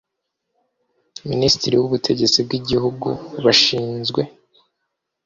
minisitiri w ubutegetsi bw igihugu bashinzwe